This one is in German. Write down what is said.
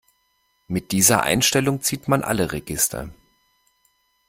Mit dieser Einstellung zieht man alle Register.